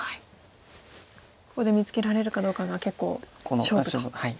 ここで見つけられるかどうかが結構勝負と。